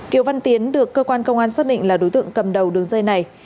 kiều văn tiến được cơ quan công an xác định là đối tượng cầm đầu đường dây này